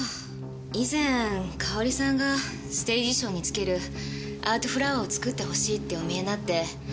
以前かおりさんがステージ衣装に付けるアートフラワーを作ってほしいってお見えになって。